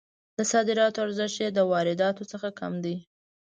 د صادراتو ارزښت یې د وارداتو څخه کم دی.